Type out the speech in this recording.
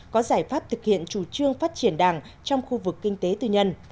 có giải pháp thực hiện chủ trương phát triển đảng trong khu vực kinh tế tư nhân